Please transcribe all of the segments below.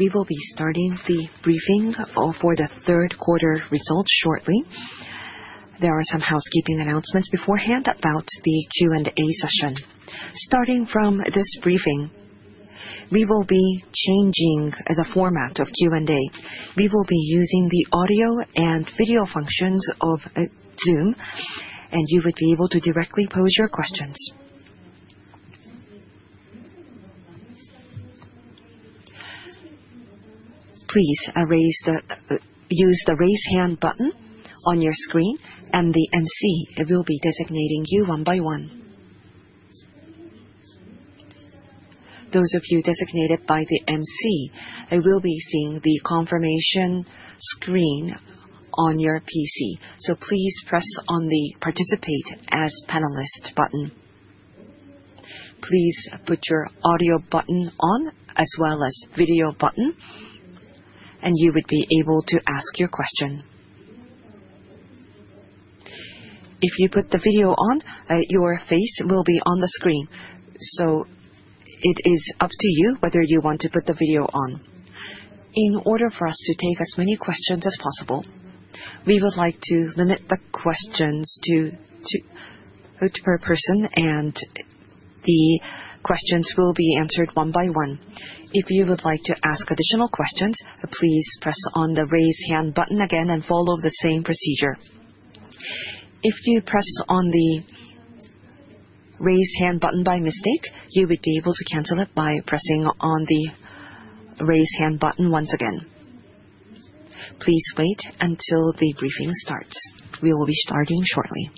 We will be starting the briefing for the Q3 results shortly. There are some housekeeping announcements beforehand about the Q&A session. Starting from this briefing, we will be changing the format of Q&A. We will be using the audio and video functions of Zoom, and you would be able to directly pose your questions. Please use the raise hand button on your screen, and the MC will be designating you one by one. Those of you designated by the MC, you will be seeing the confirmation screen on your PC, so please press on the participate as panelist button. Please put your audio button on as well as the video button, and you would be able to ask your question. If you put the video on, your face will be on the screen, so it is up to you whether you want to put the video on. In order for us to take as many questions as possible, we would like to limit the questions to per person, and the questions will be answered one by one. If you would like to ask additional questions, please press on the raise hand button again and follow the same procedure. If you press on the raise hand button by mistake, you would be able to cancel it by pressing on the raise hand button once again. Please wait until the briefing starts. We will be starting shortly.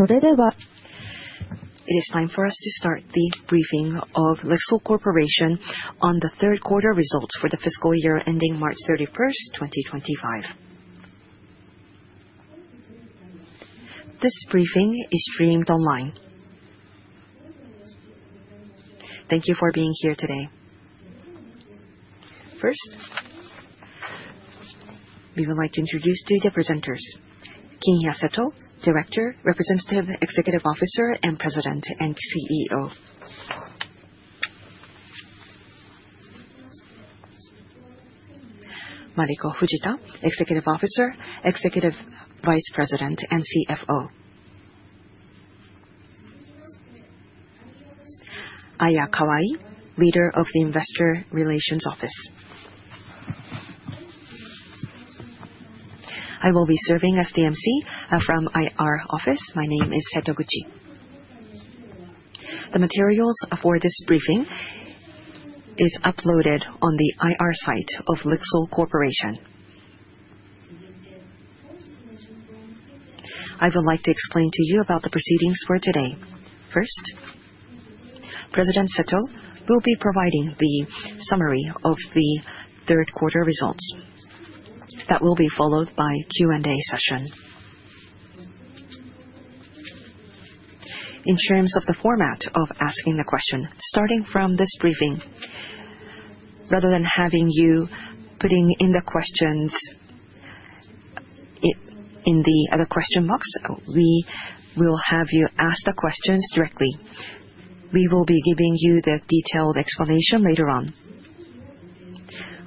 It is time for us to start the briefing of LIXIL Corporation on the Q3 results for the fiscal year ending March 31st, 2025. This briefing is streamed online. Thank you for being here today. First, we would like to introduce the presenters: Kinya Seto, Director, Representative Executive Officer, and President and CEO; Mariko Fujita, Executive Officer, Executive Vice President, and CFO; Aya Kawai, Leader of the Investor Relations Office. I will be serving as the MC from IR Office. My name is Kayo Setoguchi. The materials for this briefing are uploaded on the IR site of LIXIL Corporation. I would like to explain to you about the proceedings for today. First, President Seto will be providing the summary of the Q3 results that will be followed by the Q&A session. In terms of the format of asking the question, starting from this briefing, rather than having you putting in the questions in the question box, we will have you ask the questions directly. We will be giving you the detailed explanation later on.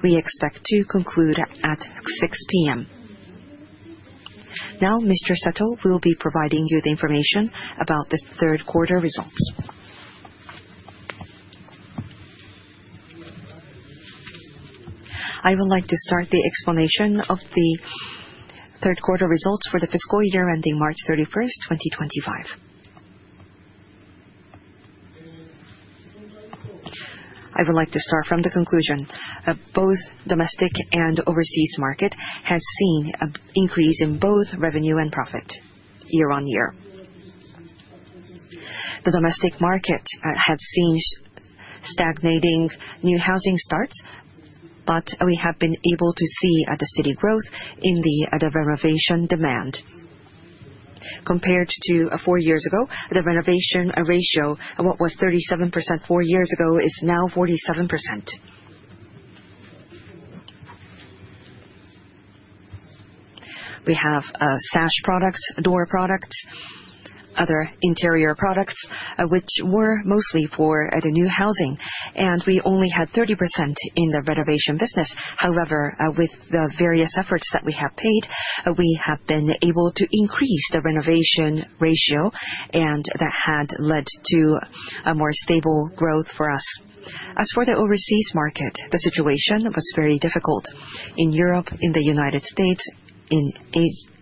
We expect to conclude at 6:00 P.M. Now, Mr. Seto will be providing you the information about the Q3 results. I would like to start the explanation of the Q3 results for the fiscal year ending March 31st, 2025. I would like to start from the conclusion. Both domestic and overseas markets have seen an increase in both revenue and profit year on year. The domestic market has seen stagnating new housing starts, but we have been able to see the steady growth in the renovation demand. Compared to four years ago, the renovation ratio was 37%. Four years ago is now 47%. We have sash products, door products, and other interior products, which were mostly for the new housing, and we only had 30% in the renovation business. However, with the various efforts that we have paid, we have been able to increase the renovation ratio, and that had led to a more stable growth for us. As for the overseas market, the situation was very difficult. In Europe, in the United States, in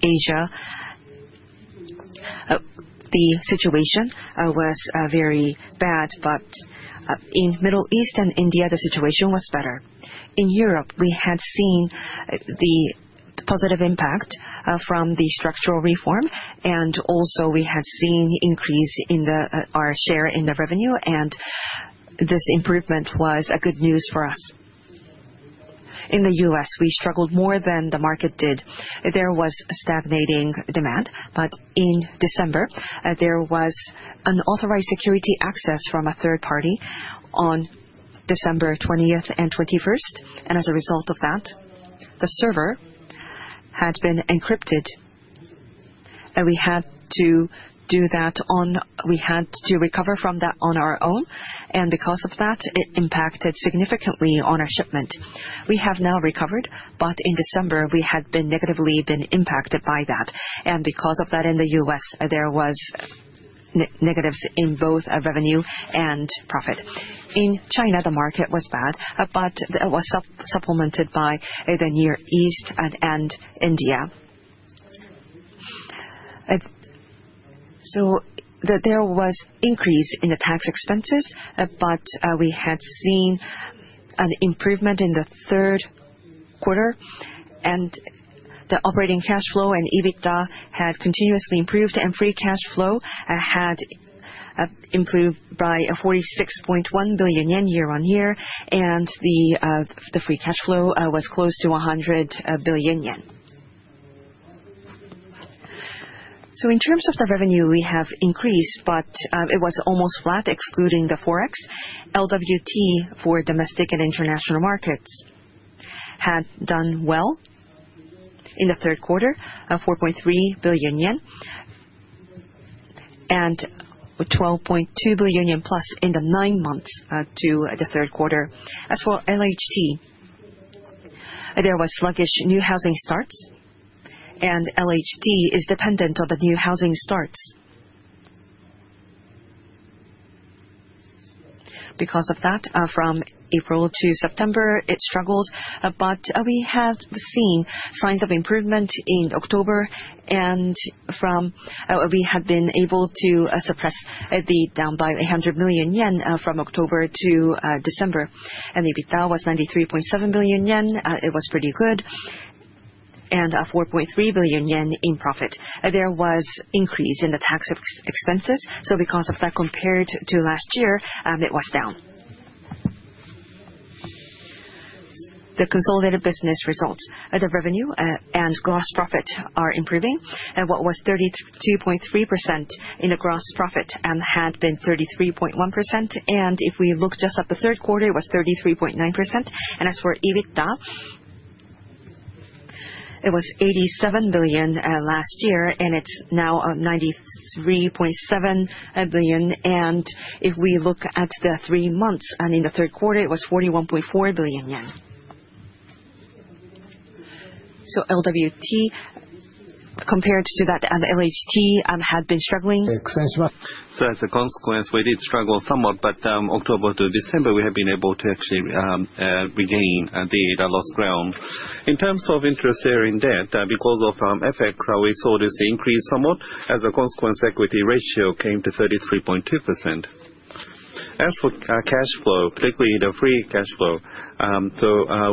Asia, the situation was very bad, but in the Middle East and India, the situation was better. In Europe, we had seen the positive impact from the structural reform, and also we had seen an increase in our share in the revenue, and this improvement was good news for us. In the U.S., we struggled more than the market did. There was stagnating demand, but in December, there was unauthorized security access from a third party on December 20th and 21st, and as a result of that, the server had been encrypted, and we had to recover from that on our own, and because of that, it impacted significantly on our shipment. We have now recovered, but in December, we had been negatively impacted by that, and because of that, in the U.S., there were negatives in both revenue and profit. In China, the market was bad, but it was supplemented by the Near East and India. There was an increase in the tax expenses, but we had seen an improvement in the Q3, and the operating cash flow and EBITDA had continuously improved, and free cash flow had improved by 46.1 billion yen year on year, and the free cash flow was close to 100 billion yen. So in terms of the revenue, we have increased, but it was almost flat, excluding the forex. LWT for domestic and international markets had done well in the Q3, 4.3 billion yen, and 12.2 billion yen plus in the nine months to the Q3. As for LHT, there were sluggish new housing starts, and LHT is dependent on the new housing starts. Because of that, from April to September, it struggled, but we have seen signs of improvement in October, and we had been able to suppress the down by 100 million yen from October to December, and EBITDA was 93.7 billion yen. It was pretty good, and 4.3 billion yen in profit. There was an increase in the tax expenses, so because of that, compared to last year, it was down. The consolidated business results, the revenue and gross profit are improving. What was 32.3% in the gross profit had been 33.1%, and if we look just at the Q3, it was 33.9%, and as for EBITDA, it was 87 billion last year, and it's now 93.7 billion, and if we look at the three months, and in the Q3, it was 41.4 billion yen, so LWT, compared to that, and LHT had been struggling. So as a consequence, we did struggle somewhat, but October to December, we have been able to actually regain the lost ground. In terms of interest-bearing debt, because of FX, we saw this increase somewhat. As a consequence, equity ratio came to 33.2%. As for cash flow, particularly the free cash flow,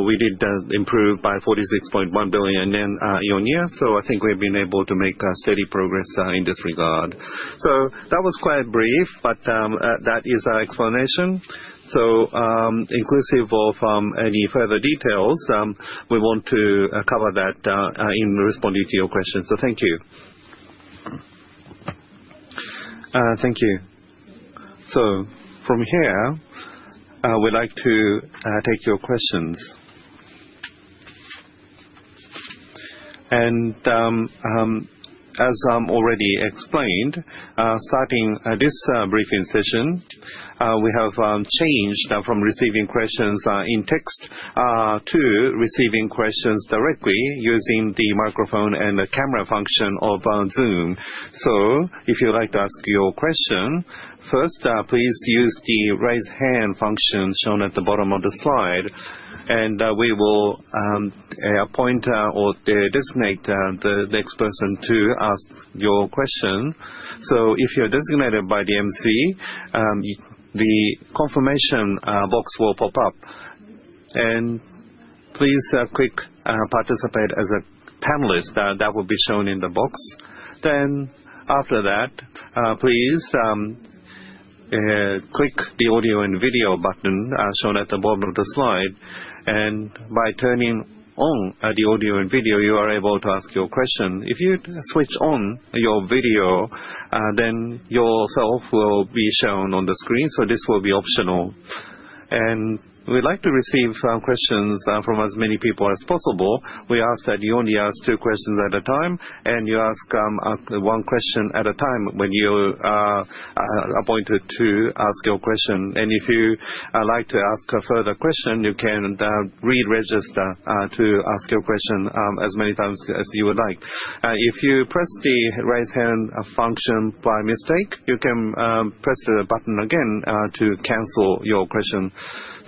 we did improve by 46.1 billion on year, so I think we have been able to make steady progress in this regard. So that was quite brief, but that is our explanation. So inclusive of any further details, we want to cover that in responding to your questions. So thank you. Thank you. So from here, we'd like to take your questions. And as I've already explained, starting this briefing session, we have changed from receiving questions in text to receiving questions directly using the microphone and the camera function of Zoom. If you'd like to ask your question, first, please use the raise hand function shown at the bottom of the slide, and we will appoint or designate the next person to ask your question. If you're designated by the MC, the confirmation box will pop up, and please click "Participate as a panelist." That will be shown in the box. Then after that, please click the audio and video button shown at the bottom of the slide, and by turning on the audio and video, you are able to ask your question. If you switch on your video, then yourself will be shown on the screen, so this will be optional. We'd like to receive questions from as many people as possible. We ask that you only ask two questions at a time, and you ask one question at a time when you are appointed to ask your question, and if you'd like to ask a further question, you can re-register to ask your question as many times as you would like. If you press the raise hand function by mistake, you can press the button again to cancel your question,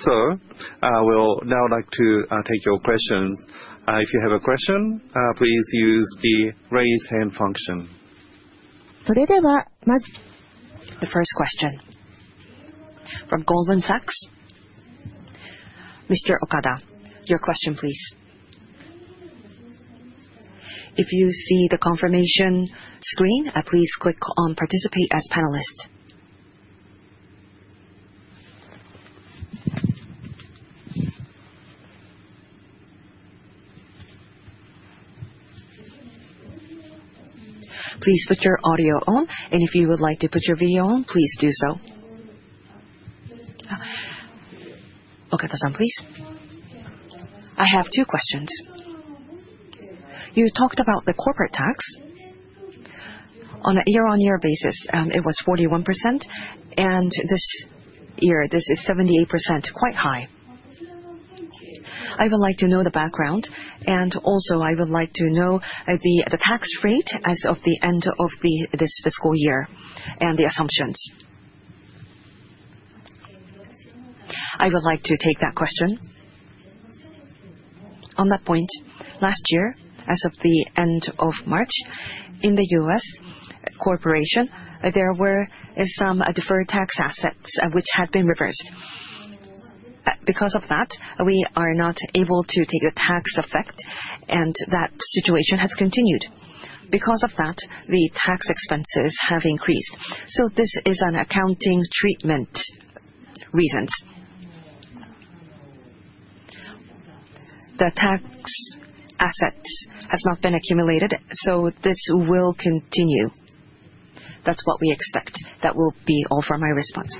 so we'd now like to take your questions. If you have a question, please use the raise hand function. それではまず。The first question from Goldman Sachs. Mr. Okada, your question, please. If you see the confirmation screen, please click on "Participate as panelist." Please put your audio on, and if you would like to put your video on, please do so. Okada-san, please. I have two questions. You talked about the corporate tax. On a year-on-year basis, it was 41%, and this year, this is 78%, quite high. I would like to know the background, and also I would like to know the tax rate as of the end of this fiscal year and the assumptions. I would like to take that question. On that point, last year, as of the end of March, in the U.S. corporation, there were some deferred tax assets which had been reversed. Because of that, we are not able to take the tax effect, and that situation has continued. Because of that, the tax expenses have increased. So this is an accounting treatment reason. The tax assets have not been accumulated, so this will continue. That's what we expect. That will be all for my response.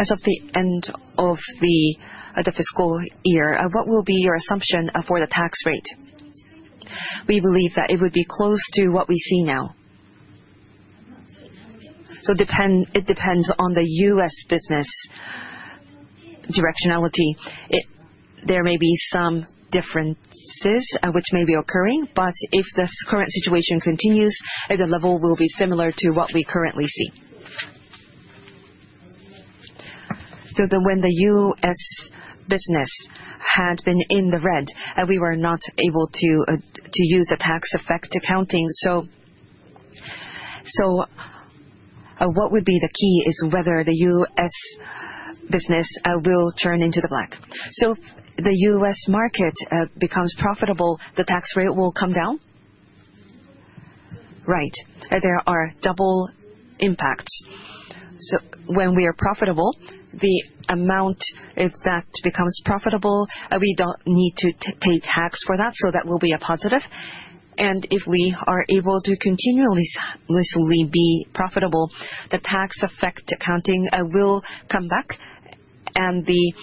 As of the end of the fiscal year, what will be your assumption for the tax rate? We believe that it would be close to what we see now. So it depends on the U.S. business directionality. There may be some differences which may be occurring, but if the current situation continues, the level will be similar to what we currently see. So when the U.S. business had been in the red, we were not able to use the tax effect accounting. So what would be the key is whether the U.S. business will turn into the black. So if the U.S. market becomes profitable, the tax rate will come down. Right. There are double impacts. So when we are profitable, the amount that becomes profitable, we don't need to pay tax for that, so that will be a positive. And if we are able to continuously be profitable, the tax effect accounting will come back, and the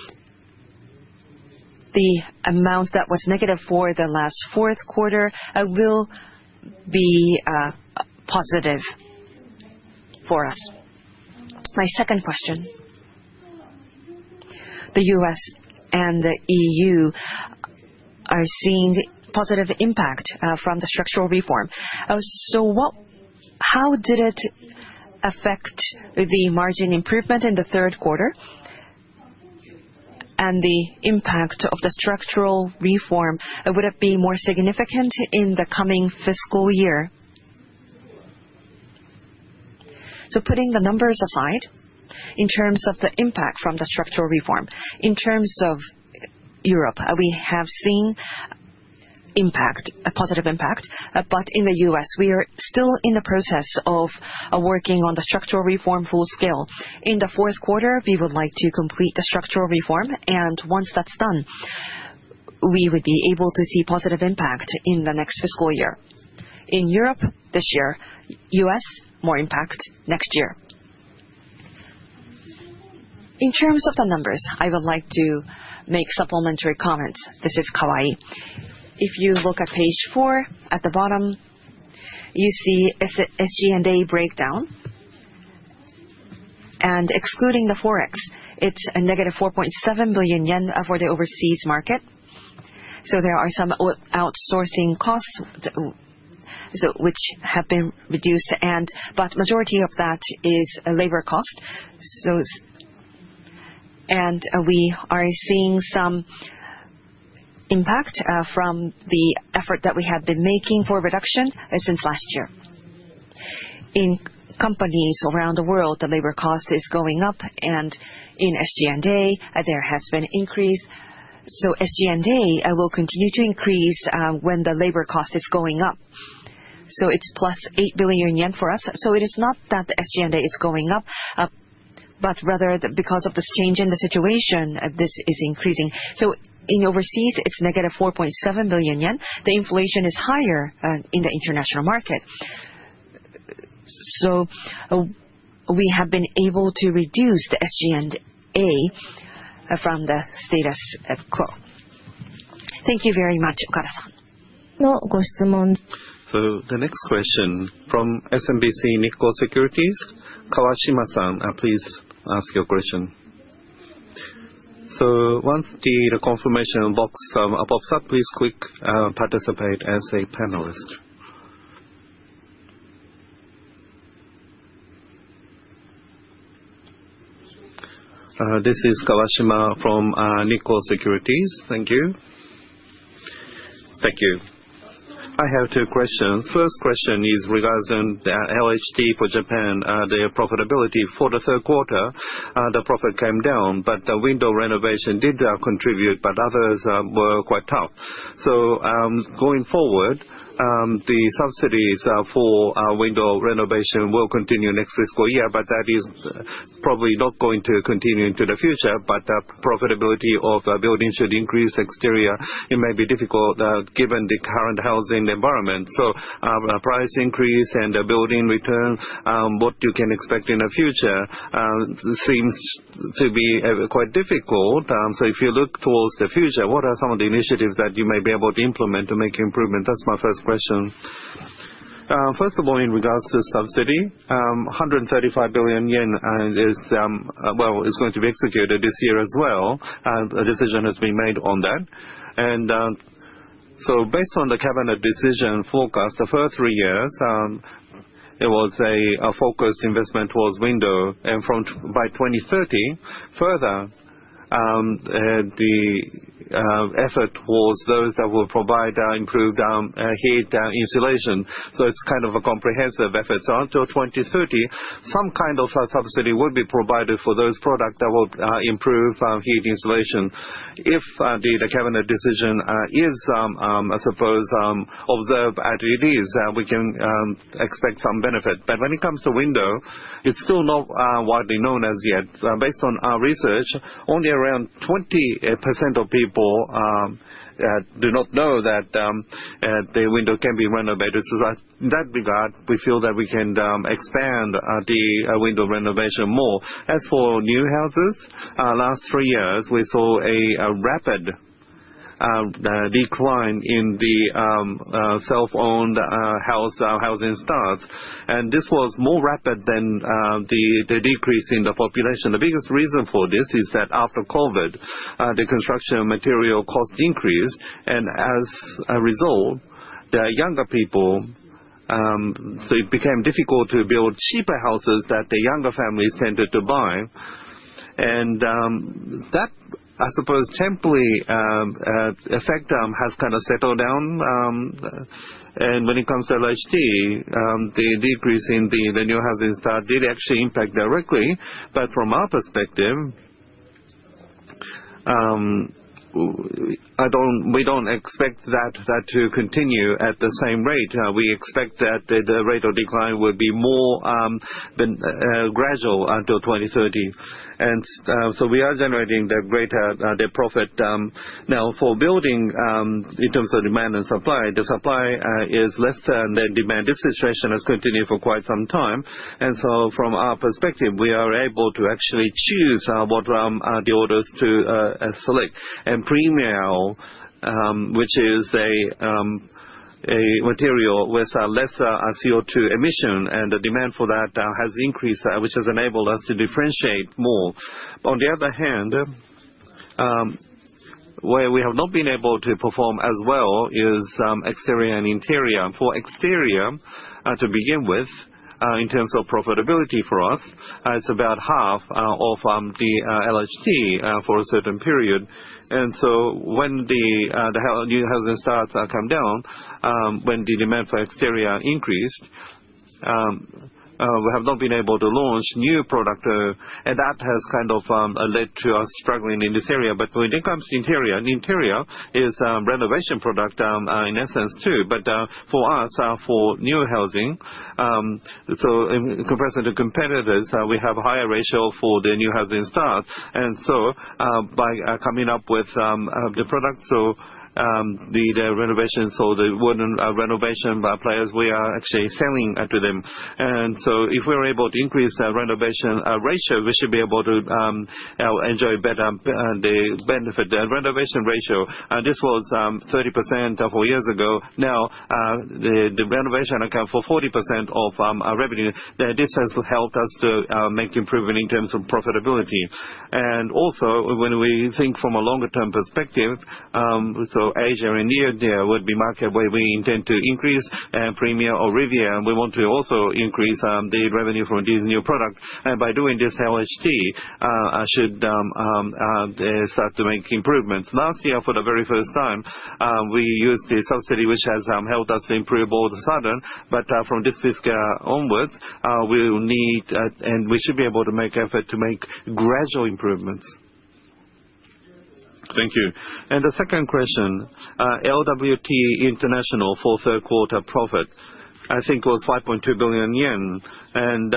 amount that was negative for the last Q4 will be positive for us. My second question. The U.S. and the E.U. are seeing a positive impact from the structural reform. So how did it affect the margin improvement in the Q3? And the impact of the structural reform would have been more significant in the coming fiscal year. So putting the numbers aside, in terms of the impact from the structural reform, in terms of Europe, we have seen a positive impact, but in the U.S., we are still in the process of working on the structural reform full scale. In the Q4, we would like to complete the structural reform, and once that's done, we would be able to see a positive impact in the next fiscal year. In Europe, this year U.S., more impact next year. In terms of the numbers, I would like to make supplementary comments. This is Kawai. If you look at page four at the bottom, you see SG&A breakdown, and excluding the forex, it's a negative 4.7 billion yen for the overseas market. So there are some outsourcing costs which have been reduced, but the majority of that is labor cost. And we are seeing some impact from the effort that we have been making for reduction since last year. In companies around the world, the labor cost is going up, and in SG&A, there has been an increase. So SG&A will continue to increase when the labor cost is going up. So it's plus 8 billion yen for us. So it is not that the SG&A is going up, but rather because of this change in the situation, this is increasing. So in overseas, it's negative 4.7 billion yen. The inflation is higher in the international market. So we have been able to reduce the SG&A from the status quo. Thank you very much, Okada-san. のご質問。So the next question from SMBC Nikko Securities, Kawashima-san, please ask your question. So once the confirmation box pops up, please click "Participate as a panelist." This is Kawashima from Nikko Securities. Thank you. Thank you. I have two questions. First question is regarding LHT for Japan, their profitability. For the Q3, the profit came down, but the window renovation did contribute, but others were quite tough. So going forward, the subsidies for window renovation will continue next fiscal year, but that is probably not going to continue into the future. But the profitability of buildings should increase exterior. It may be difficult given the current housing environment. So price increase and building return, what you can expect in the future, seems to be quite difficult. So if you look towards the future, what are some of the initiatives that you may be able to implement to make improvement? That's my first question. First of all, in regards to subsidy, 135 billion yen is going to be executed this year as well. A decision has been made on that. And so based on the Cabinet decision forecast, the first three years, it was a focused investment towards window and front by 2030. Further, the effort was those that will provide improved heat insulation. So it's kind of a comprehensive effort. So until 2030, some kind of subsidy would be provided for those products that will improve heat insulation. If the cabinet decision is, I suppose, observed as it is, we can expect some benefit. But when it comes to window, it's still not widely known as yet. Based on our research, only around 20% of people do not know that the window can be renovated. So in that regard, we feel that we can expand the window renovation more. As for new houses, in the last three years, we saw a rapid decline in the self-owned housing starts. And this was more rapid than the decrease in the population. The biggest reason for this is that after COVID, the construction material cost increased, and as a result, the younger people, so it became difficult to build cheaper houses that the younger families tended to buy. And that, I suppose, temporary effect has kind of settled down. And when it comes to LHT, the decrease in the new housing start did actually impact directly. But from our perspective, we don't expect that to continue at the same rate. We expect that the rate of decline will be more gradual until 2030. And so we are generating the greater profit now for building in terms of demand and supply. The supply is less than the demand. This situation has continued for quite some time, and so from our perspective, we are able to actually choose what the orders to select and PremiAL, which is a material with less CO2 emission, and the demand for that has increased, which has enabled us to differentiate more. On the other hand, where we have not been able to perform as well is exterior and interior. For exterior, to begin with, in terms of profitability for us, it's about half of the LHT for a certain period, and so when the new housing starts come down, when the demand for exterior increased, we have not been able to launch new products. And that has kind of led to us struggling in this area, but when it comes to interior, interior is a renovation product in essence too. But for us, for new housing, so in comparison to competitors, we have a higher ratio for the new housing start. And so by coming up with the product, so the renovation, so the wooden renovation by players, we are actually selling to them. And so if we're able to increase our renovation ratio, we should be able to enjoy better benefit renovation ratio. This was 30% four years ago. Now, the renovation account for 40% of revenue, this has helped us to make improvement in terms of profitability. And also, when we think from a longer-term perspective, so Asia and India would be market where we intend to increase and PremiAL or revial, we want to also increase the revenue from these new products. And by doing this, LHT should start to make improvements. Last year, for the very first time, we used the subsidy, which has helped us improve all of a sudden. But from this fiscal onwards, we will need and we should be able to make effort to make gradual improvements. Thank you. And the second question, LWT International for Q3 profit, I think was 5.2 billion yen. And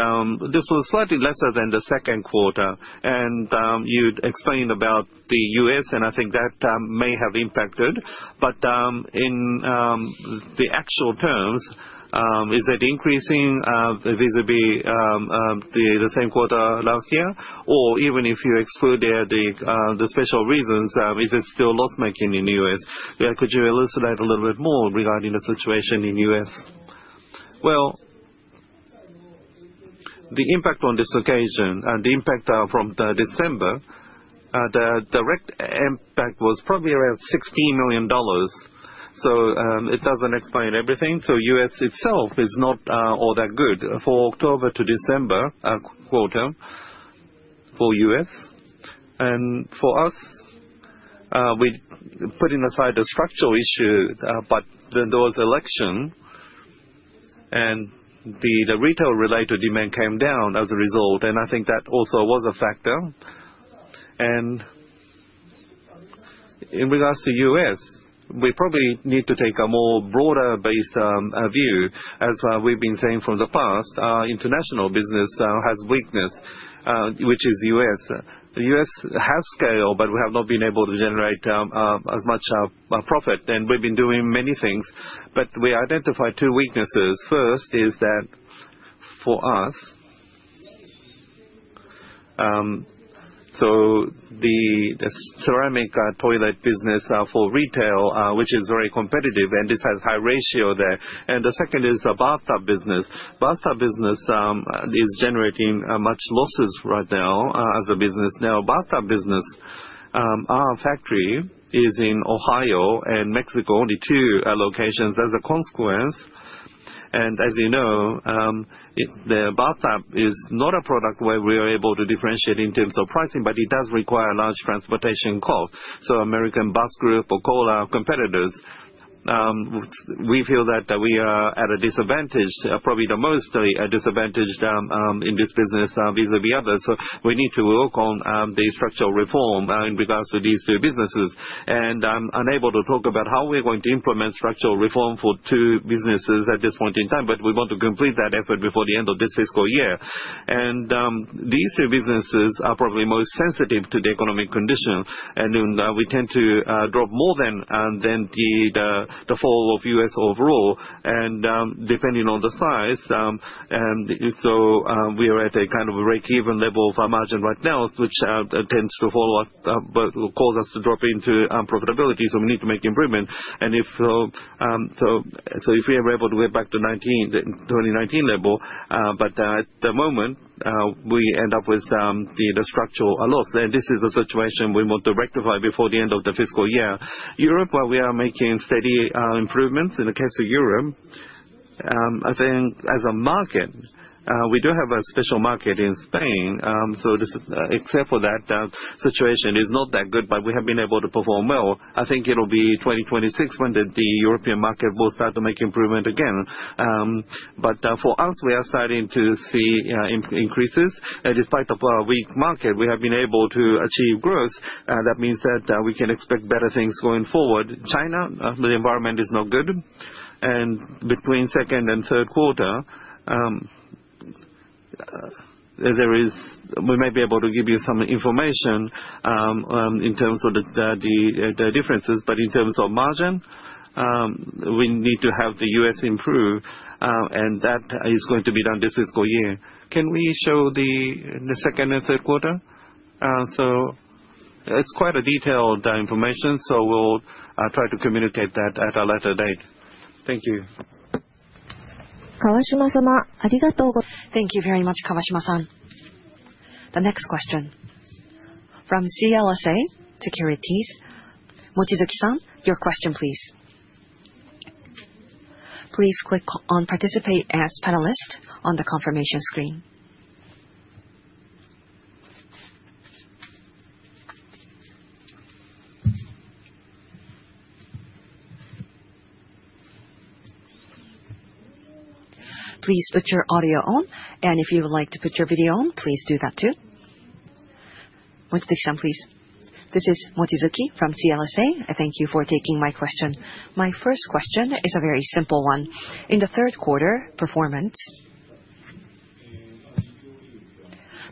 this was slightly lesser than the Q3. And you explained about the U.S., and I think that may have impacted. But in the actual terms, is it increasing vis-à-vis the same quarter last year? Or even if you exclude the special reasons, is it still loss-making in the U.S.? Could you elucidate a little bit more regarding the situation in the U.S.? Well, the impact on this occasion, the impact from December, the direct impact was probably around $16 million. So it doesn't explain everything. So the U.S. itself is not all that good for the October to December quarter for the U.S. And for us, putting aside the structural issue, but then there was election and the retail-related demand came down as a result. And I think that also was a factor. And in regards to the U.S., we probably need to take a more broader-based view as we've been saying from the past. International business has weakness, which is the U.S. The U.S. has scale, but we have not been able to generate as much profit. And we've been doing many things. But we identified two weaknesses. First is that for us, so the ceramic toilet business for retail, which is very competitive, and this has high ratio there. And the second is the bathtub business. Bathtub business is generating much losses right now as a business. Now, bathtub business, our factory is in Ohio and Mexico, only two locations. As a consequence, and as you know, the bathtub is not a product where we are able to differentiate in terms of pricing, but it does require large transportation costs. So American Bath Group or Kohler, competitors, we feel that we are at a disadvantage, probably the most disadvantaged in this business vis-à-vis others. So we need to work on the structural reform in regards to these two businesses. And I'm unable to talk about how we're going to implement structural reform for two businesses at this point in time, but we want to complete that effort before the end of this fiscal year. And these two businesses are probably most sensitive to the economic condition. And we tend to drop more than the fall of U.S. overall. Depending on the size, so we are at a kind of break-even level of our margin right now, which tends to cause us to drop into profitability. So we need to make improvement. And if so if we are able to get back to 2019 level, but at the moment, we end up with the structural loss. And this is a situation we want to rectify before the end of the fiscal year. Europe, while we are making steady improvements in the case of Europe, I think as a market, we do have a special market in Spain. So except for that, the situation is not that good, but we have been able to perform well. I think it will be 2026 when the European market will start to make improvement again. But for us, we are starting to see increases. Despite a weak market, we have been able to achieve growth. That means that we can expect better things going forward. China, the environment is not good. And between second and Q3, we may be able to give you some information in terms of the differences. But in terms of margin, we need to have the U.S. improve. And that is going to be done this fiscal year. Can we show the Q2 and Q3? So it's quite a detailed information. So we'll try to communicate that at a later date. Thank you. 川島様、ありがとうございました。Thank you very much, Kawashima-san. The next question from CLSA Securities. Mochizuki-san, your question, please. Please click on "Participate as Panelist" on the confirmation screen. Please put your audio on. And if you would like to put your video on, please do that too. Mochizuki-san, please. This is Mochizuki from CLSA. I thank you for taking my question. My first question is a very simple one. In the Q3 performance,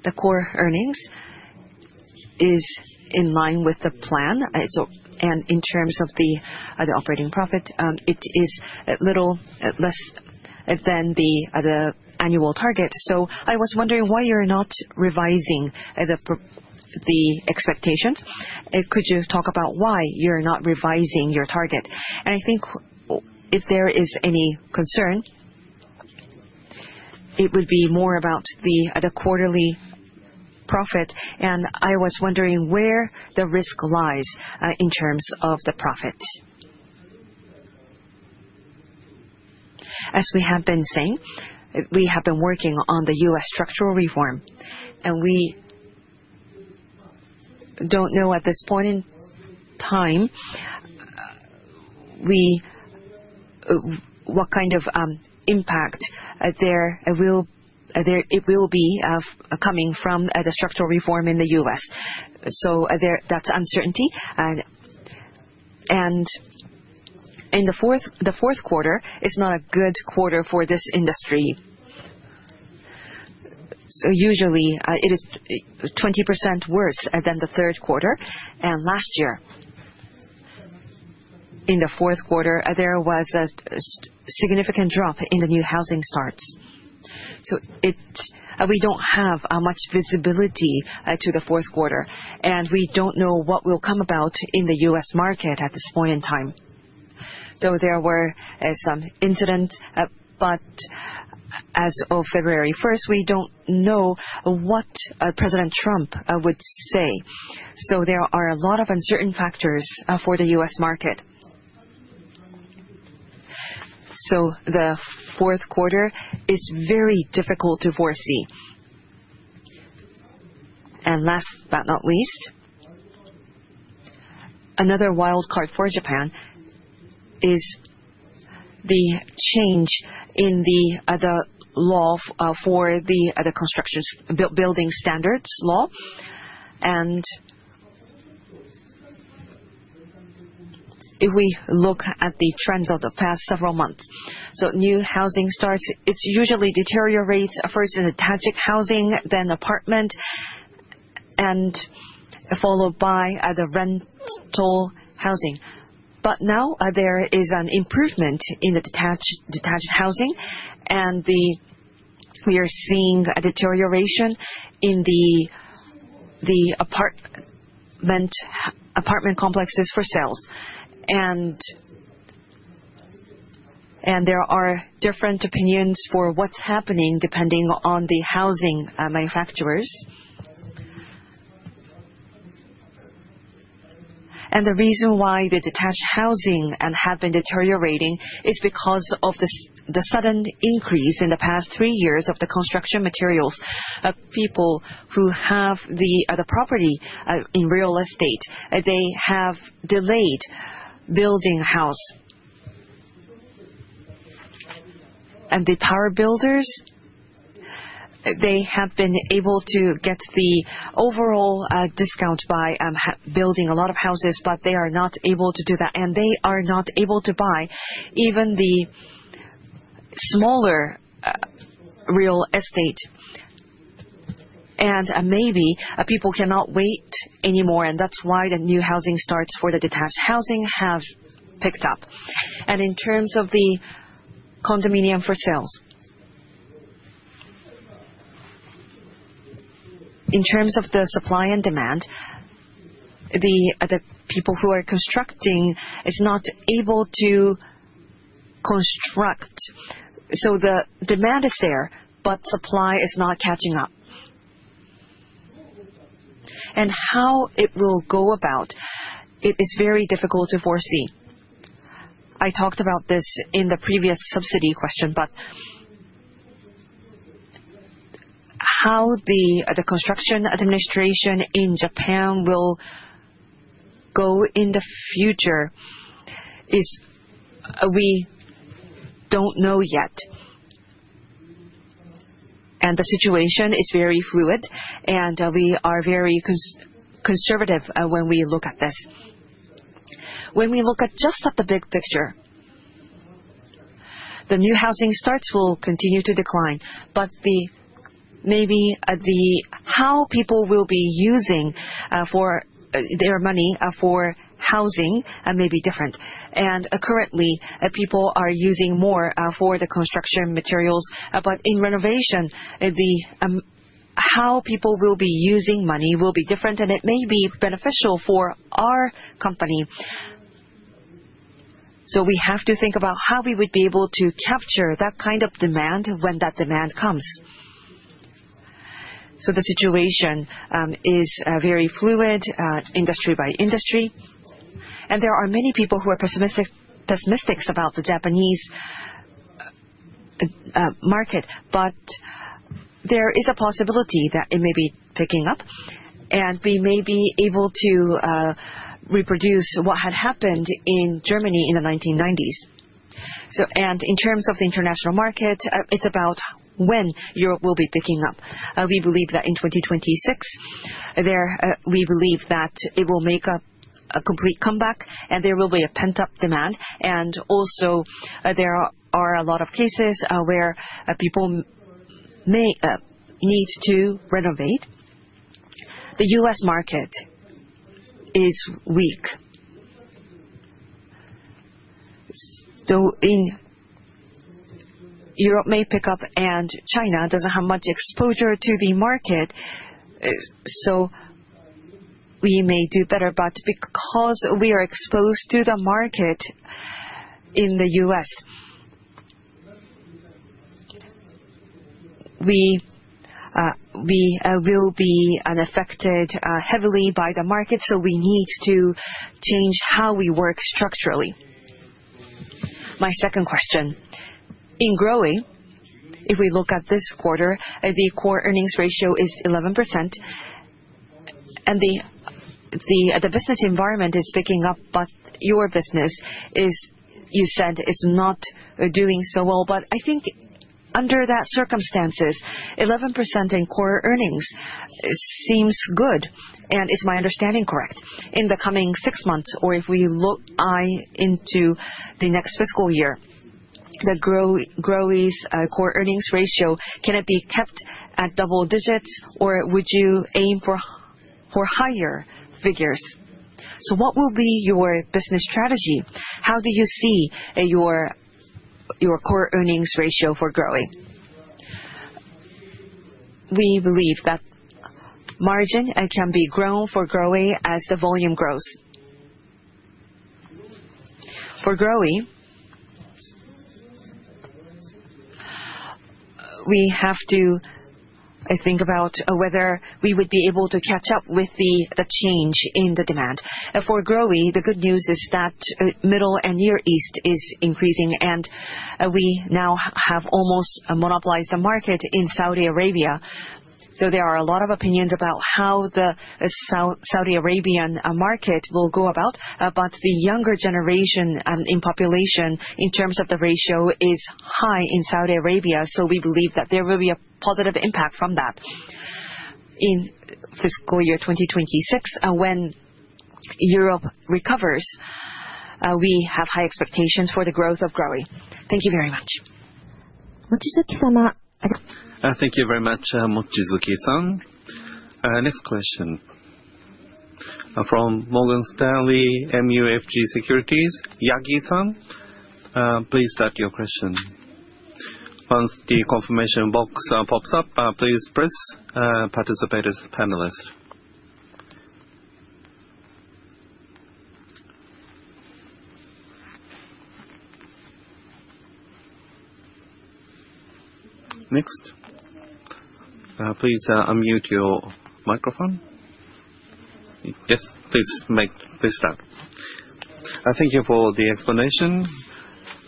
the Core Earnings is in line with the plan, and in terms of the operating profit, it is a little less than the annual target, so I was wondering why you're not revising the expectations. Could you talk about why you're not revising your target, and I think if there is any concern, it would be more about the quarterly profit, and I was wondering where the risk lies in terms of the profit. As we have been saying, we have been working on the U.S. structural reform, and we don't know at this point in time what kind of impact it will be coming from the structural reform in the U.S., so that's uncertainty, and in the Q4, it's not a good quarter for this industry. So usually, it is 20% worse than the Q3. And last year, in the Q4, there was a significant drop in the new housing starts. So we don't have much visibility to the Q4. And we don't know what will come about in the U.S. market at this point in time. So there were some incidents. But as of February 1st, we don't know what President Trump would say. So there are a lot of uncertain factors for the U.S. market. So the Q4 is very difficult to foresee. And last but not least, another wildcard for Japan is the change in the law for the construction building standards law. And if we look at the trends of the past several months, so new housing starts, it usually deteriorates first in detached housing, then apartment, and followed by the rental housing. But now there is an improvement in the detached housing. And we are seeing a deterioration in the apartment complexes for sales. And there are different opinions for what's happening depending on the housing manufacturers. And the reason why the detached housing has been deteriorating is because of the sudden increase in the past three years of the construction materials. People who have the property in real estate, they have delayed building a house. And the power builders, they have been able to get the overall discount by building a lot of houses, but they are not able to do that. And they are not able to buy even the smaller real estate. And maybe people cannot wait anymore. And that's why the new housing starts for the detached housing have picked up. In terms of the condominium for sales, in terms of the supply and demand, the people who are constructing are not able to construct. The demand is there, but supply is not catching up. How it will go about is very difficult to foresee. I talked about this in the previous subsidy question, but how the construction administration in Japan will go in the future is we don't know yet. The situation is very fluid. We are very conservative when we look at this. When we look just at the big picture, the new housing starts will continue to decline. Maybe how people will be using their money for housing may be different. Currently, people are using more for the construction materials. In renovation, how people will be using money will be different. It may be beneficial for our company. We have to think about how we would be able to capture that kind of demand when that demand comes. The situation is very fluid industry by industry. There are many people who are pessimistic about the Japanese market. There is a possibility that it may be picking up. We may be able to reproduce what had happened in Germany in the 1990s. In terms of the international market, it's about when Europe will be picking up. We believe that in 2026, we believe that it will make a complete comeback. There will be a pent-up demand. Also, there are a lot of cases where people may need to renovate. The U.S. market is weak. Europe may pick up. China doesn't have much exposure to the market. We may do better. But because we are exposed to the market in the US, we will be affected heavily by the market. So we need to change how we work structurally. My second question. In GROHE, if we look at this quarter, the Core Earnings ratio is 11%. And the business environment is picking up. But your business, you said, is not doing so well. But I think under that circumstances, 11% in Core Earnings seems good. And is my understanding correct? In the coming six months, or if we look into the next fiscal year, the GROHE Core Earnings ratio, can it be kept at double digits, or would you aim for higher figures? So what will be your business strategy? How do you see your Core Earnings ratio for GROHE? We believe that margin can be grown for GROHE as the volume grows. For GROHE, we have to think about whether we would be able to catch up with the change in the demand. For GROHE, the good news is that the Middle East and Near East are increasing, and we now have almost monopolized the market in Saudi Arabia. So there are a lot of opinions about how the Saudi Arabian market will go about, but the younger generation in population, in terms of the ratio, is high in Saudi Arabia. So we believe that there will be a positive impact from that in fiscal year 2026. When Europe recovers, we have high expectations for the growth of GROHE. Thank you very much. Mochizuki-sama. Thank you very much, Mochizuki-san. Next question from Morgan Stanley MUFG Securities, Yagi-san. Please start your question. Once the confirmation box pops up, please press "Participate as Panelist." Next, please unmute your microphone. Yes, please start. Thank you for the explanation.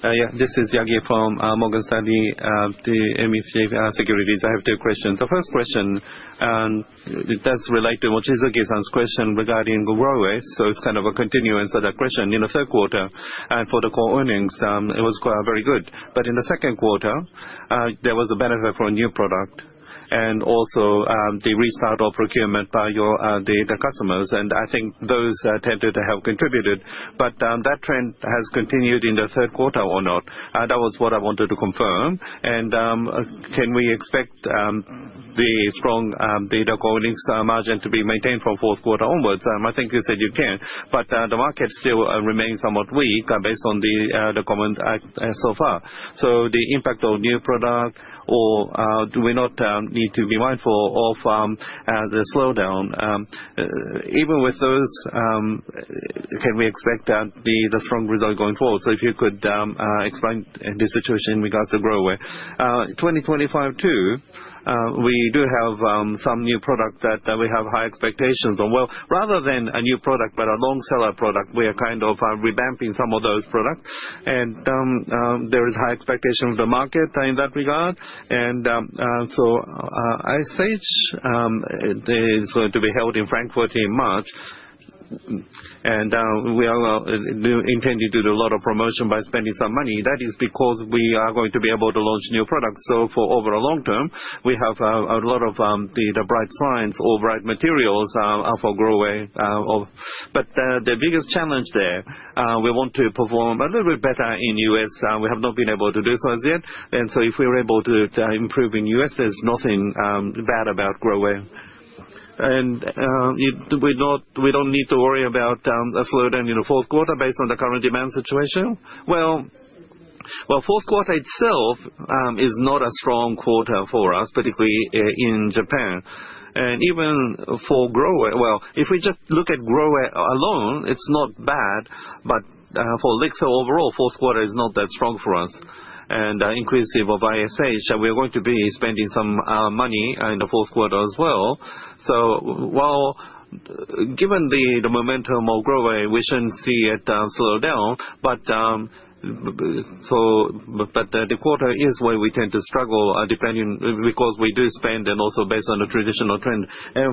This is Yagi from Morgan Stanley MUFG Securities. I have two questions. The first question does relate to Mochizuki-san's question regarding GROHE. So it's kind of a continuous question. In the Q3, for the Core Earnings, it was very good. But in the Q3, there was a benefit for a new product and also the restart of procurement by the customers. And I think those tended to have contributed. But that trend has continued in the Q3 or not. That was what I wanted to confirm. And can we expect the strong data GROHE margin to be maintained from Q4 onwards? I think you said you can. But the market still remains somewhat weak based on the comment so far. So the impact of new product, or do we not need to be mindful of the slowdown? Even with those, can we expect the strong result going forward? So if you could explain the situation in regards to GROHE 2025 too. We do have some new product that we have high expectations on. Well, rather than a new product, but a long seller product, we are kind of revamping some of those products. And there is high expectation of the market in that regard. And so ISH is going to be held in Frankfurt in March. And we are intending to do a lot of promotion by spending some money. That is because we are going to be able to launch new products. So for over a long term, we have a lot of the bright signs or bright materials for GROHE. But the biggest challenge there, we want to perform a little bit better in the U.S. We have not been able to do so as yet, and so if we're able to improve in the U.S., there's nothing bad about GROHE, and we don't need to worry about a slowdown in the Q4 based on the current demand situation. Well, Q4 itself is not a strong quarter for us, particularly in Japan, and even for GROHE, well, if we just look at GROHE alone, it's not bad. But for LIXIL overall, Q4 is not that strong for us, and inclusive of ISH, we are going to be spending some money in the Q4 as well, so given the momentum of GROHE, we shouldn't see it slow down, but the quarter is where we tend to struggle because we do spend and also based on the traditional trend.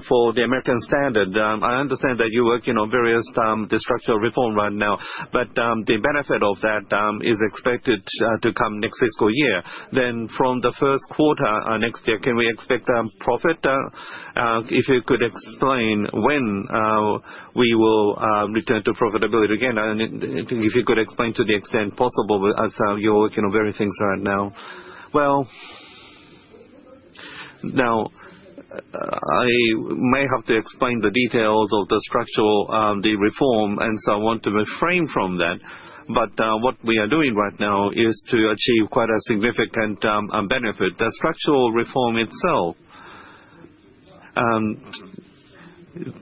For the American Standard, I understand that you're working on various structural reforms right now. The benefit of that is expected to come next fiscal year. Then from the Q3 next year, can we expect profit? If you could explain when we will return to profitability again. If you could explain to the extent possible as you're working on various things right now. Now I may have to explain the details of the structural reform. So I want to refrain from that. What we are doing right now is to achieve quite a significant benefit. The structural reform itself,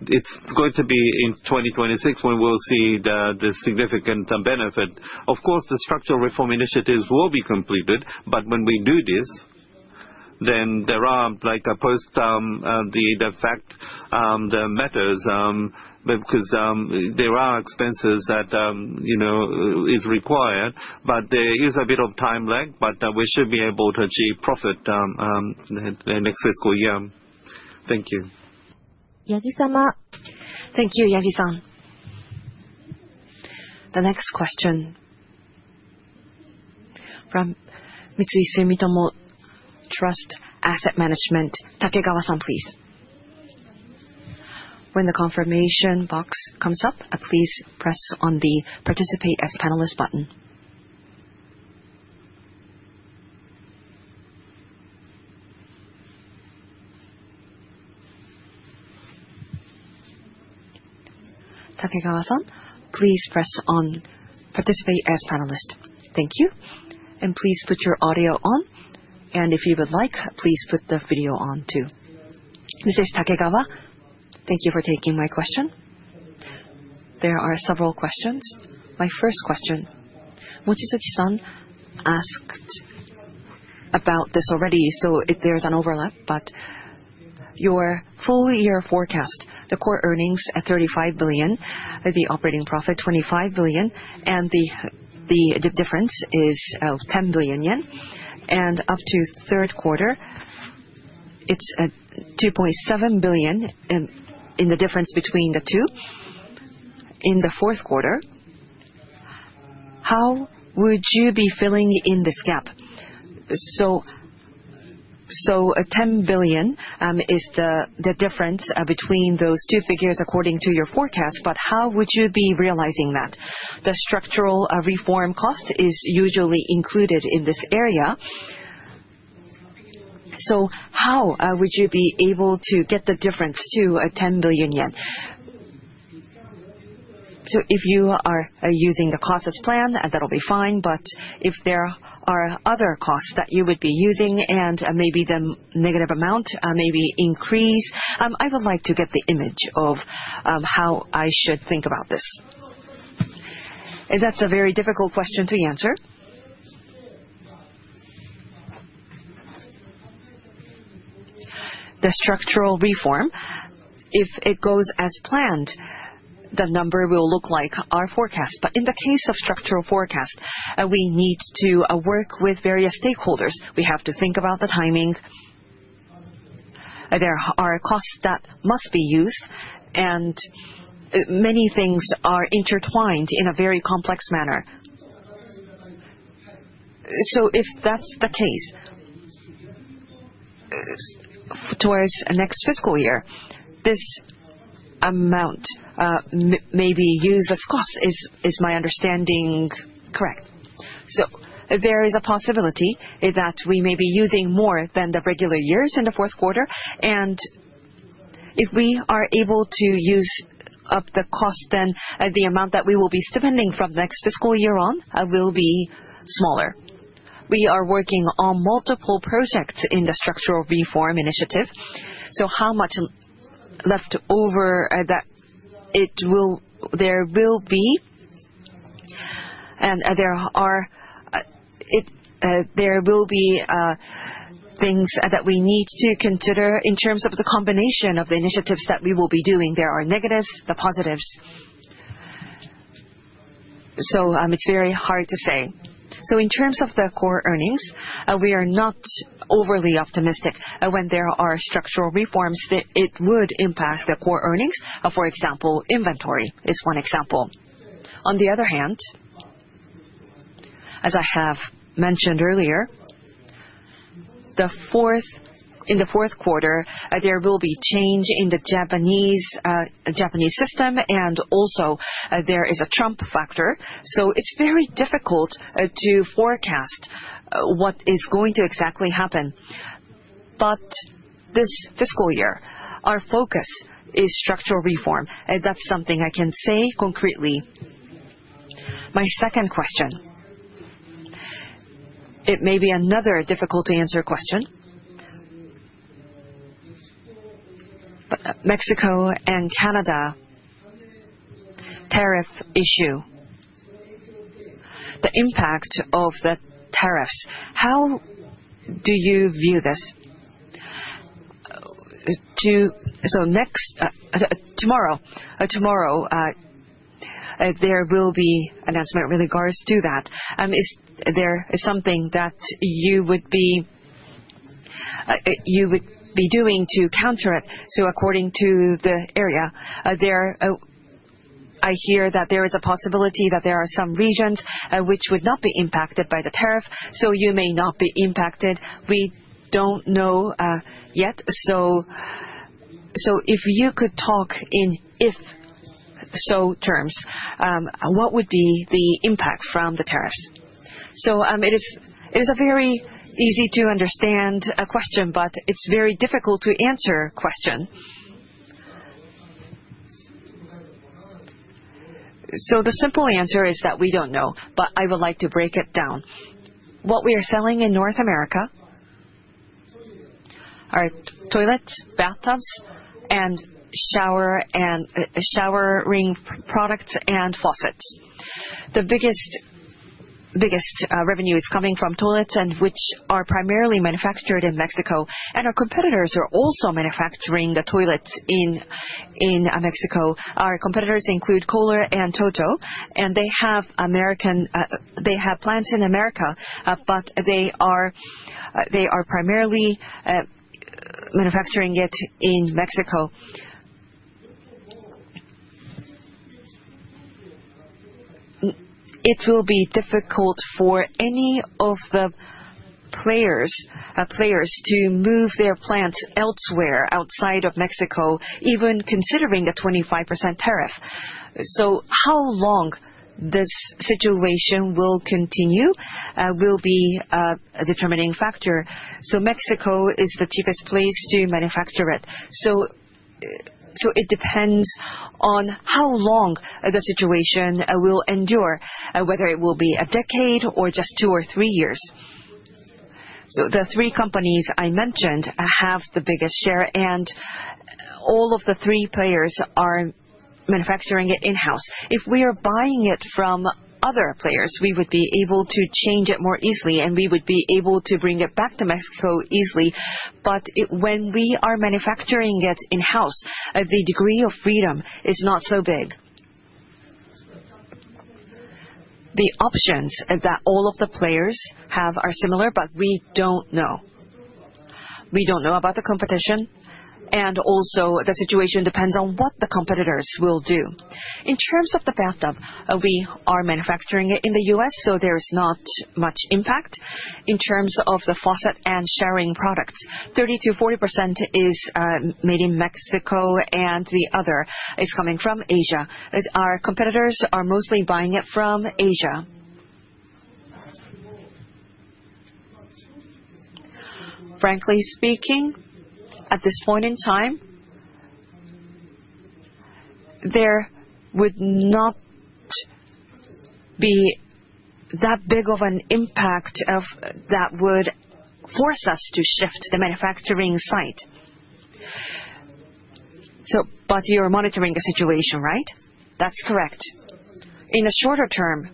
it's going to be in 2026 when we'll see the significant benefit. Of course, the structural reform initiatives will be completed. When we do this, then there are after the fact, the matters, because there are expenses that is required. But there is a bit of time lag. But we should be able to achieve profit next fiscal year. Thank you. Yagi-sama. Thank you, Yagi-san. The next question from Mitsui Sumitomo Trust Asset Management, Takegawa-san, please. When the confirmation box comes up, please press on the "Participate as Panelist" button. Takegawa-san, please press on "Participate as Panelist." Thank you. And please put your audio on. And if you would like, please put the video on too. This is Takegawa. Thank you for taking my question. There are several questions. My first question, Mochizuki-san asked about this already, so there's an overlap. But your full year forecast, the core earnings at 35 billion, the operating profit 25 billion, and the difference is 10 billion yen. And up to Q3, it's 2.7 billion in the difference between the two. In the Q4, how would you be filling in this gap? 10 billion JPY is the difference between those two figures according to your forecast. But how would you be realizing that? The structural reform cost is usually included in this area. So how would you be able to get the difference to 10 billion yen? So if you are using the cost as planned, that'll be fine. But if there are other costs that you would be using and maybe the negative amount increase, I would like to get the image of how I should think about this. That's a very difficult question to answer. The structural reform, if it goes as planned, the number will look like our forecast. But in the case of structural reform, we need to work with various stakeholders. We have to think about the timing. There are costs that must be used. And many things are intertwined in a very complex manner. So if that's the case towards next fiscal year, this amount may be used as cost. Is my understanding correct? So there is a possibility that we may be using more than the regular years in the Q4. And if we are able to use up the cost, then the amount that we will be spending from next fiscal year on will be smaller. We are working on multiple projects in the structural reform initiative. So how much left over that there will be? And there will be things that we need to consider in terms of the combination of the initiatives that we will be doing. There are negatives, the positives. So it's very hard to say. So in terms of the Core Earnings, we are not overly optimistic. When there are structural reforms, it would impact the Core Earnings. For example, inventory is one example. On the other hand, as I have mentioned earlier, in the Q4, there will be change in the Japanese system, and also, there is a Trump factor, so it's very difficult to forecast what is going to exactly happen, but this fiscal year, our focus is structural reform. That's something I can say concretely. My second question, it may be another difficult to answer question. Mexico and Canada tariff issue, the impact of the tariffs. How do you view this? So tomorrow, there will be an announcement with regards to that. Is there something that you would be doing to counter it? So according to the area, I hear that there is a possibility that there are some regions which would not be impacted by the tariff, so you may not be impacted. We don't know yet. So if you could talk in what-if terms, what would be the impact from the tariffs? It is a very easy-to-understand question, but it's a very difficult-to-answer question. The simple answer is that we don't know. But I would like to break it down. What we are selling in North America are toilets, bathtubs, and showering products and faucets. The biggest revenue is coming from toilets, which are primarily manufactured in Mexico. And our competitors are also manufacturing the toilets in Mexico. Our competitors include Kohler and Toto. And they have plants in America. But they are primarily manufacturing it in Mexico. It will be difficult for any of the players to move their plants elsewhere outside of Mexico, even considering a 25% tariff. How long this situation will continue will be a determining factor. Mexico is the cheapest place to manufacture it. So it depends on how long the situation will endure, whether it will be a decade or just two or three years. So the three companies I mentioned have the biggest share. And all of the three players are manufacturing it in-house. If we are buying it from other players, we would be able to change it more easily. And we would be able to bring it back to Mexico easily. But when we are manufacturing it in-house, the degree of freedom is not so big. The options that all of the players have are similar, but we don't know. We don't know about the competition. And also, the situation depends on what the competitors will do. In terms of the bathtub, we are manufacturing it in the US, so there is not much impact. In terms of the faucet and showering products, 30%-40% is made in Mexico. And the other is coming from Asia. Our competitors are mostly buying it from Asia. Frankly speaking, at this point in time, there would not be that big of an impact that would force us to shift the manufacturing site. But you're monitoring the situation, right? That's correct. In the shorter term,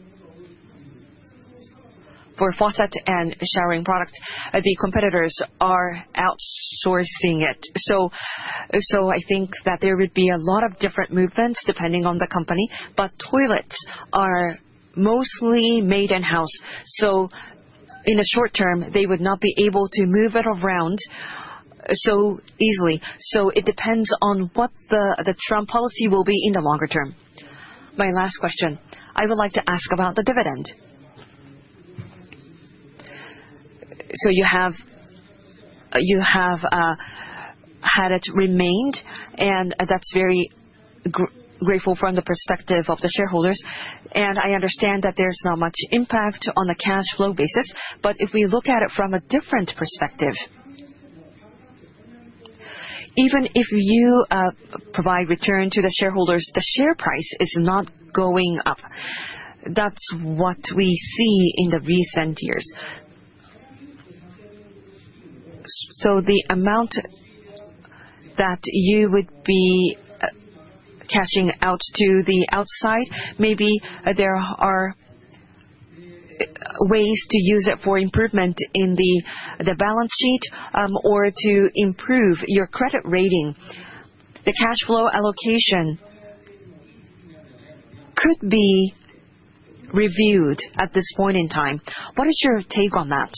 for faucet and showering products, the competitors are outsourcing it. So I think that there would be a lot of different movements depending on the company. But toilets are mostly made in-house. So in the short term, they would not be able to move it around so easily. So it depends on what the Trump policy will be in the longer term. My last question, I would like to ask about the dividend. So you have had it remained. And that's very grateful from the perspective of the shareholders. I understand that there's not much impact on the cash flow basis. But if we look at it from a different perspective, even if you provide return to the shareholders, the share price is not going up. That's what we see in the recent years. So the amount that you would be cashing out to the outside, maybe there are ways to use it for improvement in the balance sheet or to improve your credit rating. The cash flow allocation could be reviewed at this point in time. What is your take on that?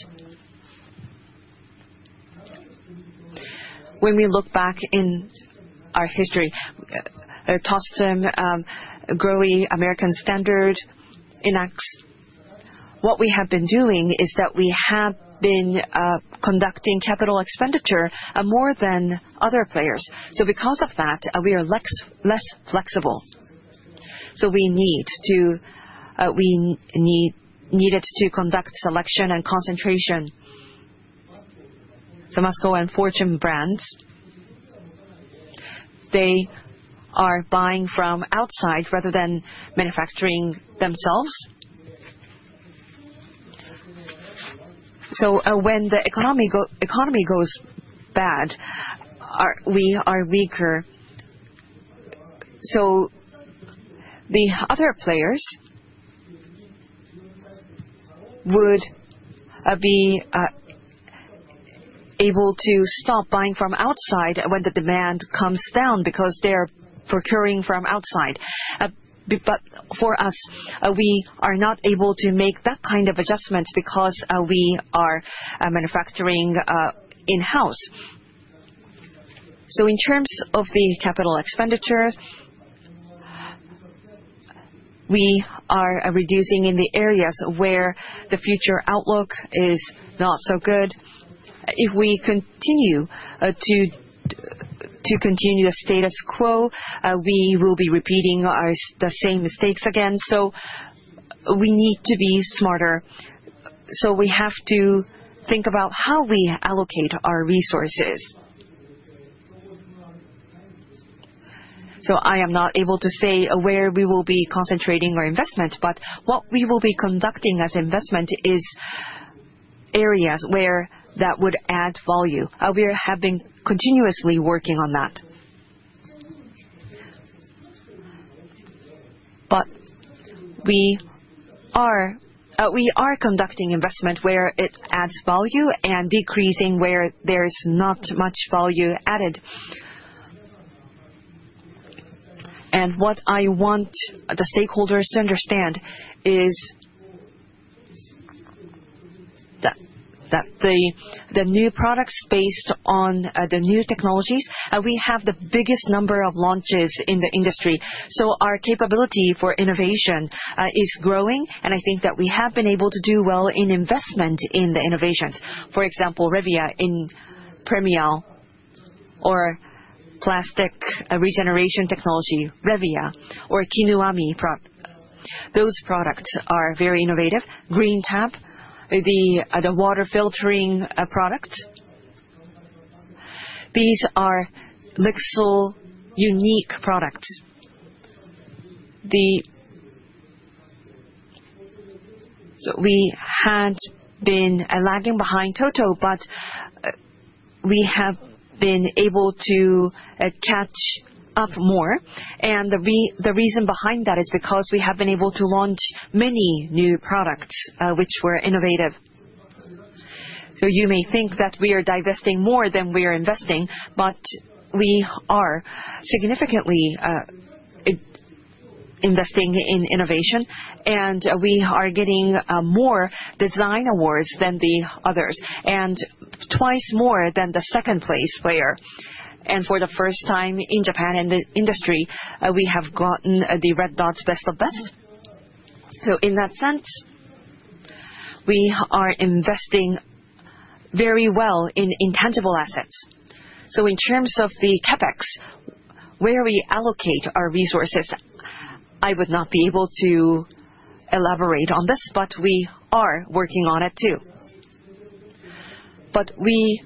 When we look back in our history, TOSTEM, GROHE, American Standard, INAX, what we have been doing is that we have been conducting capital expenditure more than other players. So because of that, we are less flexible. So we needed to conduct selection and concentration. So Masco and Fortune Brands, they are buying from outside rather than manufacturing themselves. So when the economy goes bad, we are weaker. So the other players would be able to stop buying from outside when the demand comes down because they are procuring from outside. But for us, we are not able to make that kind of adjustment because we are manufacturing in-house. So in terms of the capital expenditure, we are reducing in the areas where the future outlook is not so good. If we continue the status quo, we will be repeating the same mistakes again. So we need to be smarter. So we have to think about how we allocate our resources. So I am not able to say where we will be concentrating our investment. But what we will be conducting as investment is areas where that would add value. We have been continuously working on that. But we are conducting investment where it adds value and decreasing where there is not much value added. And what I want the stakeholders to understand is that the new products based on the new technologies, we have the biggest number of launches in the industry. So our capability for innovation is growing. And I think that we have been able to do well in investment in the innovations. For example, revia, PremiAL or plastic regeneration technology, Revia or Kinuami. Those products are very innovative. Green Tap, the water filtering products. These are LIXIL unique products. So we had been lagging behind Toto, but we have been able to catch up more. And the reason behind that is because we have been able to launch many new products which were innovative. You may think that we are divesting more than we are investing, but we are significantly investing in innovation. We are getting more design awards than the others and twice more than the second place player. For the first time in Japan and the industry, we have gotten the Red Dot Best of the Best. In that sense, we are investing very well in intangible assets. In terms of the CapEx, where we allocate our resources, I would not be able to elaborate on this, but we are working on it too. We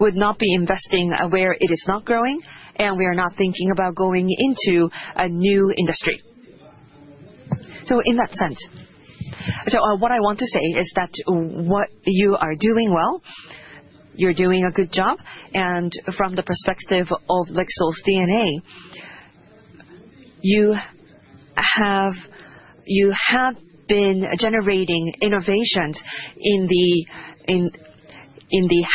would not be investing where it is not growing. We are not thinking about going into a new industry. In that sense, what I want to say is that what you are doing well, you're doing a good job. From the perspective of LIXIL's DNA, you have been generating innovations in the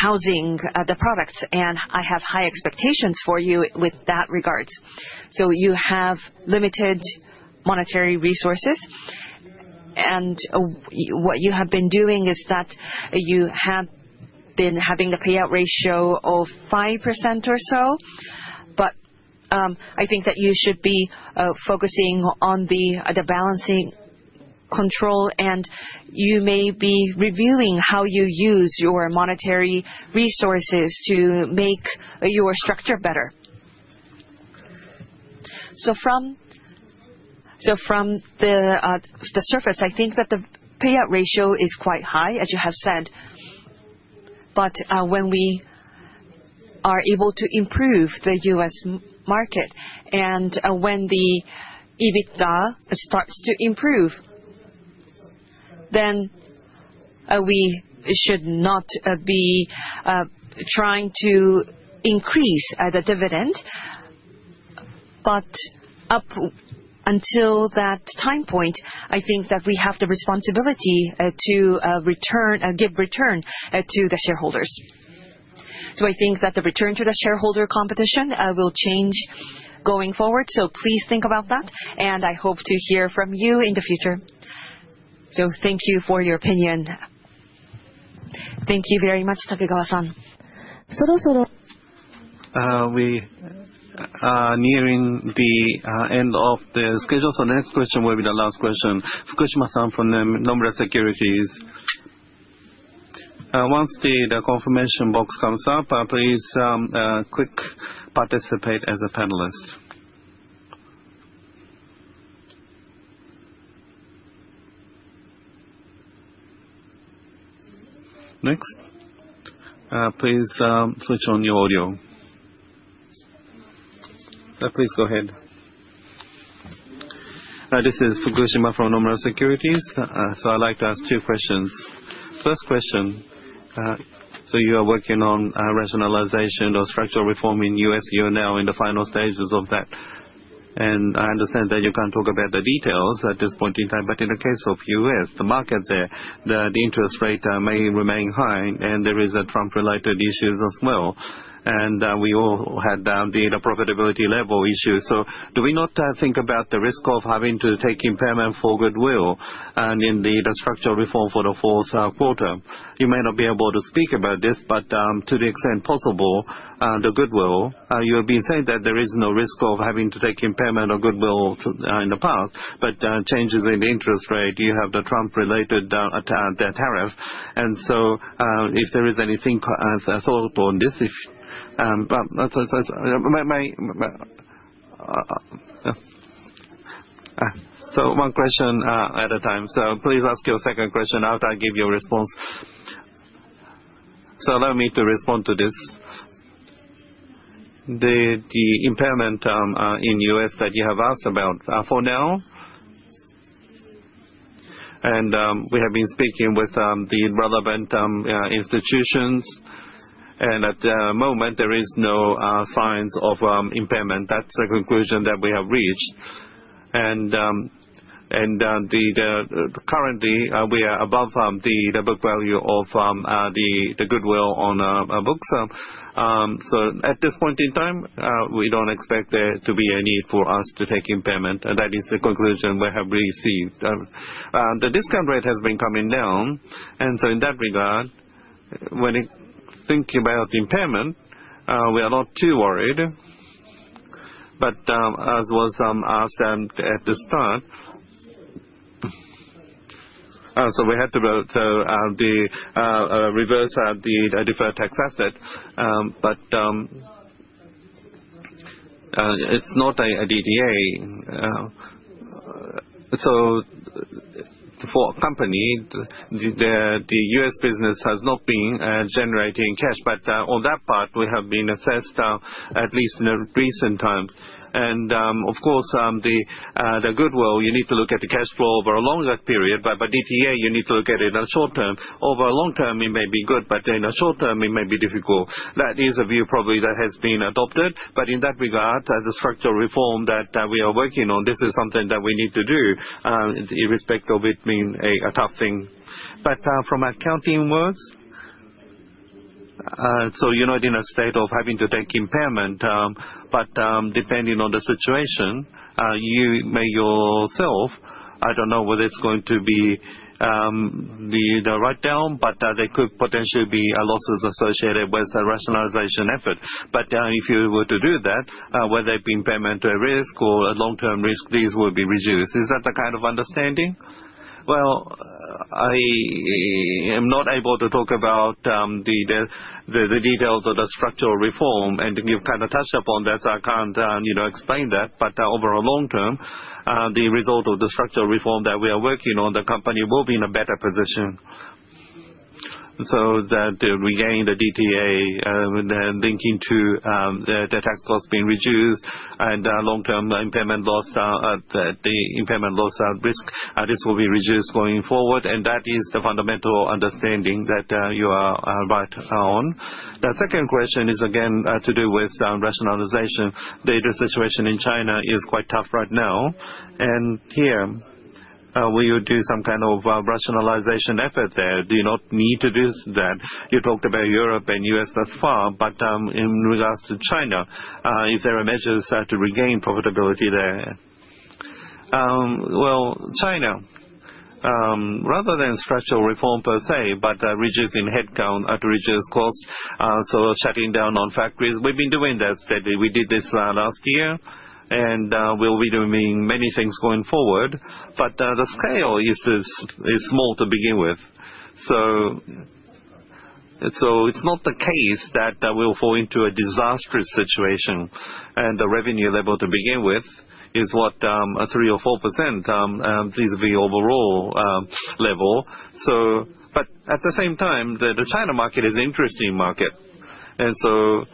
housing products. I have high expectations for you with that regards. You have limited monetary resources. What you have been doing is that you have been having a payout ratio of 5% or so. I think that you should be focusing on the balancing control. You may be reviewing how you use your monetary resources to make your structure better. From the surface, I think that the payout ratio is quite high, as you have said. When we are able to improve the U.S. market and when the EBITDA starts to improve, then we should not be trying to increase the dividend. Up until that time point, I think that we have the responsibility to give return to the shareholders. So I think that the return to the shareholder competition will change going forward. So please think about that. And I hope to hear from you in the future. So thank you for your opinion. Thank you very much, Takegawa-san. We are nearing the end of the schedule. So next question will be the last question. Fukushima-san from Nomura Securities. Once the confirmation box comes up, please click participate as a panelist. Next, please switch on your audio. Please go ahead. This is Fukushima from Nomura Securities. So I'd like to ask two questions. First question, so you are working on rationalization or structural reform in U.S. You're now in the final stages of that. And I understand that you can't talk about the details at this point in time. But in the case of U.S., the market there, the interest rate may remain high. And there are Trump-related issues as well. And we all had the profitability level issues. So do we not think about the risk of having to take impairment for goodwill and indeed a structural reform for the Q4? You may not be able to speak about this, but to the extent possible, the goodwill. You have been saying that there is no risk of having to take impairment or goodwill in the past. But changes in the interest rate, you have the Trump-related tariff. And so if there is anything thought upon this, so one question at a time. So please ask your second question after I give you a response. So allow me to respond to this. The impairment in U.S. that you have asked about for now, and we have been speaking with the relevant institutions. And at the moment, there are no signs of impairment. That's the conclusion that we have reached, and currently, we are above the book value of the goodwill on books, so at this point in time, we don't expect there to be a need for us to take impairment, and that is the conclusion we have received. The discount rate has been coming down, and so in that regard, when thinking about impairment, we are not too worried, but as was asked at the start, so we had to reverse the deferred tax asset, but it's not a DTA. So for a company, the U.S. business has not been generating cash, but on that part, we have been assessed at least in the recent times, and of course, the goodwill, you need to look at the cash flow over a longer period, but by DTA, you need to look at it in the short term. Over a long term, it may be good, but in the short term, it may be difficult. That is a view probably that has been adopted, but in that regard, the structural reform that we are working on. This is something that we need to do irrespective of it being a tough thing. From accounting works, so you're not in a state of having to take impairment. But depending on the situation, you may yourself. I don't know whether it's going to be the write-down, but there could potentially be losses associated with a rationalization effort. But if you were to do that, whether it be impairment or a write-down or a long-term risk, these will be reduced. Is that the kind of understanding? Well, I am not able to talk about the details of the structural reform. You've kind of touched upon that, so I can't explain that. Over a long term, the result of the structural reform that we are working on, the company will be in a better position so that we gain the DTA linking to the tax cost being reduced and long-term impairment loss. The impairment loss risk will be reduced going forward. That is the fundamental understanding that you are right on. The second question is again to do with rationalization. The situation in China is quite tough right now. Here, will you do some kind of rationalization effort there? Do you not need to do that? You talked about Europe and U.S. thus far. In regards to China, is there a measure to regain profitability there? China, rather than structural reform per se, but reducing headcount to reduce costs, so shutting down non-factories, we've been doing that steadily. We did this last year. And we'll be doing many things going forward. But the scale is small to begin with. So it's not the case that we'll fall into a disastrous situation. And the revenue level to begin with is what, 3% or 4% is the overall level. But at the same time, the China market is an interesting market. And so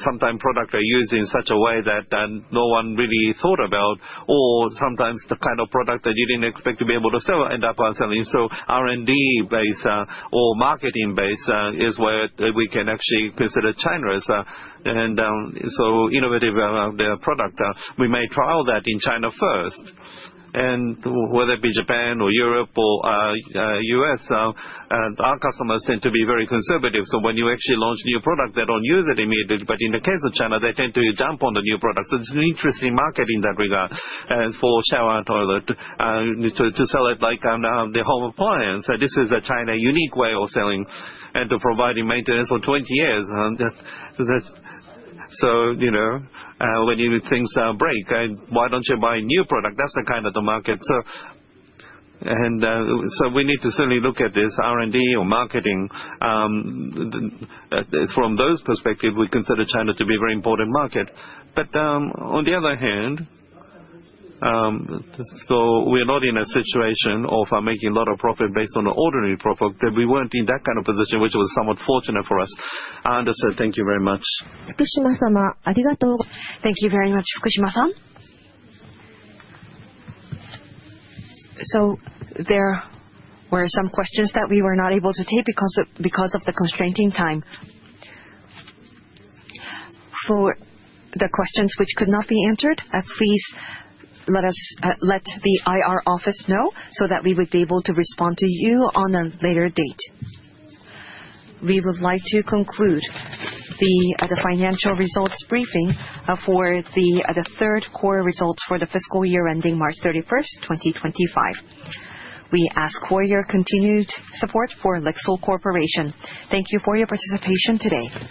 sometimes products are used in such a way that no one really thought about, or sometimes the kind of product that you didn't expect to be able to sell end up selling. So R&D-based or marketing-based is where we can actually consider China as an innovative product. We may trial that in China first. Whether it be Japan or Europe or US, our customers tend to be very conservative. When you actually launch a new product, they don't use it immediately. In the case of China, they tend to jump on the new product. It's an interesting market in that regard for shower toilet to sell it like the home appliance. This is a China unique way of selling and to provide maintenance for 20 years. When you think break, why don't you buy a new product? That's the kind of the market. We need to certainly look at this R&D or marketing. From those perspectives, we consider China to be a very important market. On the other hand, we're not in a situation of making a lot of profit based on the ordinary profit. We weren't in that kind of position, which was somewhat fortunate for us. I understood. Thank you very much. 福島様、ありがとうございます。Thank you very much, Fukushima-san. So there were some questions that we were not able to take because of the constraint in time. For the questions which could not be answered, please let the IR office know so that we would be able to respond to you on a later date. We would like to conclude the financial results briefing for the Q3 results for the fiscal year ending March 31st, 2025. We ask for your continued support for LIXIL Corporation. Thank you for your participation today.